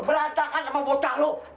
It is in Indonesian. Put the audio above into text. berantakan sama bocah lu